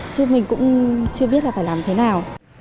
chứ mình cũng chưa biết là phải làm thế nào